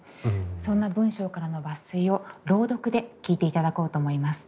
そんな文章からの抜粋を朗読で聞いていただこうと思います。